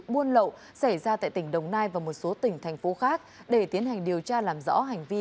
buôn lậu xảy ra tại tỉnh đồng nai và một số tỉnh thành phố khác để tiến hành điều tra làm rõ hành vi